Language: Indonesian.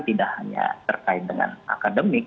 tidak hanya terkait dengan akademik